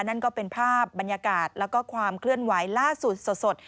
นั่นก็เป็นภาพบรรยากาศแล้วก็ความเคลื่อนไหวล่าสุดสด